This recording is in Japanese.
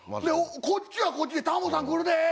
でこっちはこっちで「タモさん来るで！」